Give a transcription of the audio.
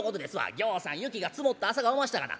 ぎょうさん雪が積もった朝がおましたがな。